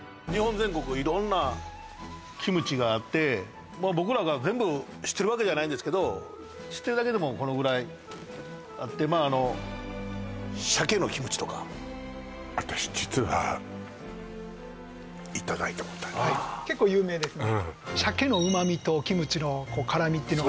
全国色んなキムチがあって僕らが全部知ってるわけじゃないんですけど知ってるだけでもこのぐらいあって鮭のキムチとか私実は結構有名ですね